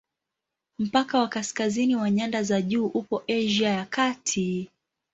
Mpaka wa kaskazini wa nyanda za juu upo Asia ya Kati.